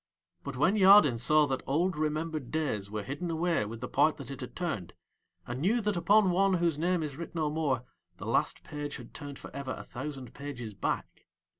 But when Yadin saw that old remembered days were hidden away with the part that It had turned, and knew that upon one whose name is writ no more the last page had turned for ever a thousand pages back.